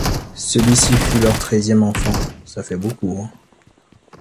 Celui-ci fut leur treizième enfant.